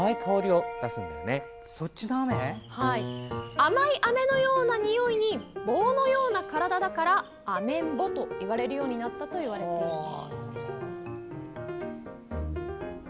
甘いアメのようなにおいに棒のような体だからアメンボといわれるようになったといわれています。